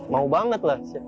mau banget lah